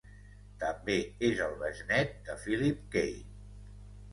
També és el besnet de Philip Key.